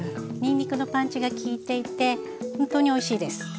にんにくのパンチがきいていてほんとにおいしいです。